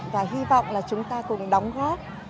và hy vọng là chúng ta cùng đóng góp